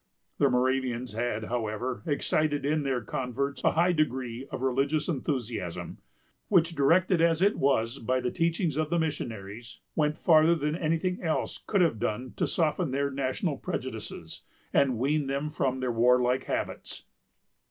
The Moravians had, however, excited in their converts a high degree of religious enthusiasm; which, directed as it was by the teachings of the missionaries, went farther than any thing else could have done to soften their national prejudices, and wean them from their warlike habits.